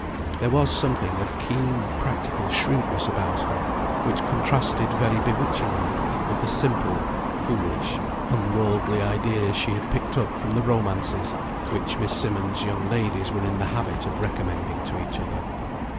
There was something of keen practical shrewdness about her, which contrasted very bewitchingly with the simple, foolish, unworldly ideas she had picked up from the romances which Miss Simmonds' young ladies were in the habit of recommending to each other.